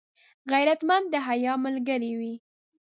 غیرتمند د حیا ملګری وي